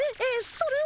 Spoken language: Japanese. それは。